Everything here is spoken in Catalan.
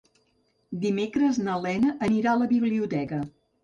Dimecres na Lena anirà a la biblioteca.